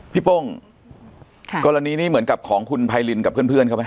โป้งกรณีนี้เหมือนกับของคุณไพรินกับเพื่อนเขาไหม